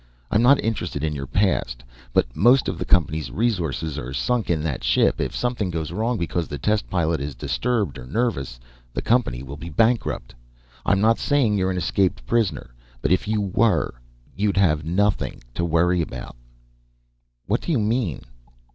I'm not interested in your past, but most of the company's resources are sunk in that ship. If something goes wrong because the test pilot is disturbed or nervous, the company will be bankrupt. I'm not saying you're an escaped prisoner, but if you were, you'd have nothing to worry about." "What do you mean?"